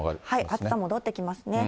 暑さ戻ってきますね。